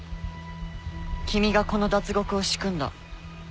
君がこの脱獄を仕組んだ。